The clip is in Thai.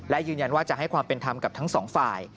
และยืนยันว่าจะให้ความเป็นธรรมกับทั้งสองฝ่าย